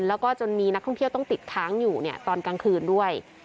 แล้วก็จนมีนักท่องเที่ยวต้องติดค้างอยู่ตอนกลางคืนด้วย